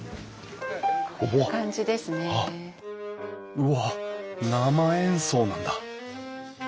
うわっ生演奏なんだ！